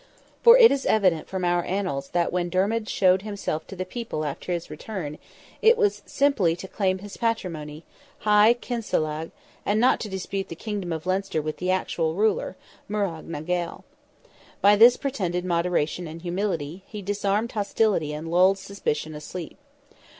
For it is evident from our Annals that when Dermid showed himself to the people after his return, it was simply to claim his patrimony—Hy Kinsellagh—and not to dispute the Kingdom of Leinster with the actual ruler, Murrogh na Gael. By this pretended moderation and humility, he disarmed hostility and lulled suspicion asleep.